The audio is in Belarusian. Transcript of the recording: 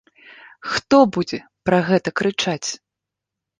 Хто будзе пра гэта крычаць?